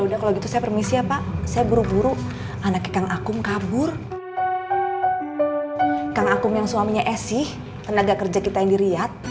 akum yang suaminya esih tenaga kerja kita yang diriat